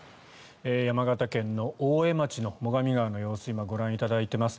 山形県大江町の最上川の様子を今、ご覧いただいています。